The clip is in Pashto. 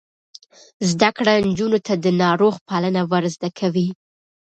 زده کړه نجونو ته د ناروغ پالنه ور زده کوي.